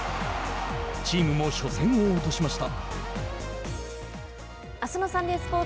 チームも初戦を落としました。